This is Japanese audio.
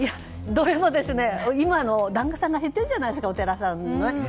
どれも今、檀家さんが減っているじゃないですかお寺さんの。